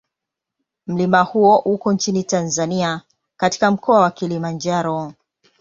Mlima huo uko nchini Tanzania katika Mkoa wa Kilimanjaro.